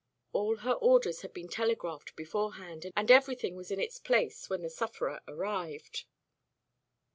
All her orders had been telegraphed beforehand, and everything was in its place when the sufferer arrived.